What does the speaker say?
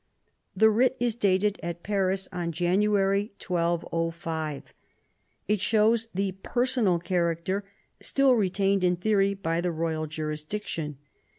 The writ is dated at Paris in January 1205. It shows the personal character still retained in theory by the royal jurisdiction.